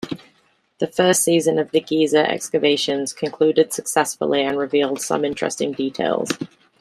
The first season of the Gezer excavations concluded successfully and revealed some interesting details.